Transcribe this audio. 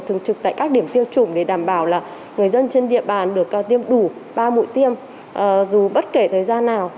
thường trực tại các điểm tiêm chủng để đảm bảo là người dân trên địa bàn được tiêm đủ ba mũi tiêm dù bất kể thời gian nào